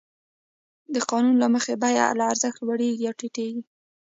د قانون له مخې بیه له ارزښت لوړېږي یا ټیټېږي